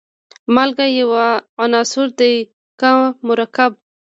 مالګه یو عنصر دی که مرکب.